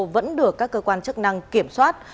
vẫn được các cơ quan chức năng kiểm soát